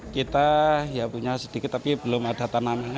kita punya sedikit tapi belum ada tanaman